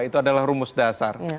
itu adalah rumus dasar